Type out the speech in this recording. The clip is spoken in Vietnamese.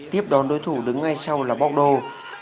tiếp đón đối thủ đứng ngay sau là bordeaux